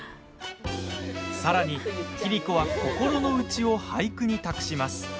さらに、桐子は心の内を俳句に託します。